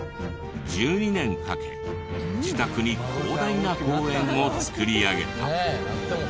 １２年かけ自宅に広大な公園を造り上げた。